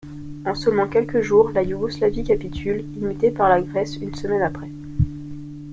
En seulement quelques jours, la Yougoslavie capitule, imitée par la Grèce une semaine après.